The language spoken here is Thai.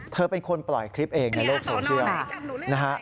เธอเป็นคนปล่อยคลิปเองในโลกโซเชียลนะฮะ